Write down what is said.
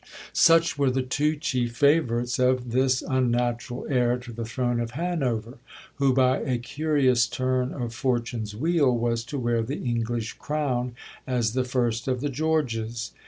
Such were the two chief favourites of this unnatural heir to the throne of Hanover, who, by a curious turn of Fortune's wheel, was to wear the English crown as the first of the Georges.